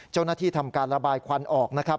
เจ้าหน้าที่ทำการระบายควันออกนะครับ